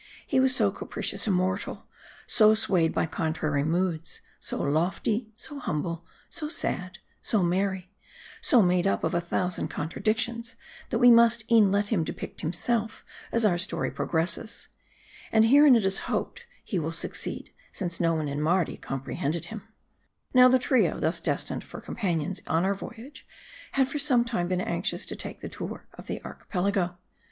He was so capricious a mortal ; so swayed by contrary moods ; so lofty, so humble, so sad, so merry ; so made up of a thousand contradictions, that we must e'en let him depict himself as our story pro gresses. And herein it is hoped he will succeed ; since no one in Mardi comprehended him. Now the trio, thus destined for companions on our voyage, had for some time been anxious to take the tour of the Ar chipelago.